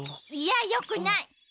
いやよくない。